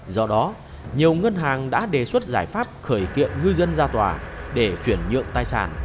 do đó nhiều ngân hàng đã đề xuất giải pháp khởi kiện ngư dân ra tòa để chuyển nhượng tài sản